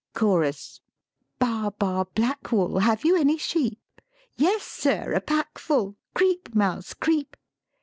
CHORUS Ba ba black wool, Have you any sheep? Yes, sir, a pack full. Creep, mouse, creep!